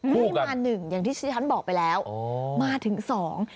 ไม่มาหนึ่งอย่างที่ฉันบอกไปแล้วมาถึงสอง